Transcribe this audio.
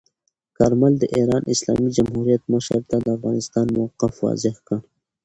کارمل د ایران اسلامي جمهوریت مشر ته د افغانستان موقف واضح کړ.